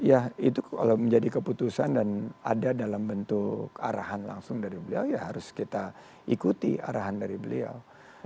ya itu kalau menjadi keputusan dan ada dalam bentuk arahan langsung dari beliau ya harus kita ikuti arahan dari beliau